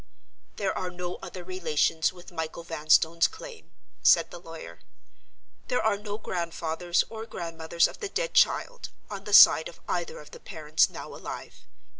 "There are no other relations with Michael Vanstone's claim," said the lawyer. "There are no grandfathers or grandmothers of the dead child (on the side of either of the parents) now alive.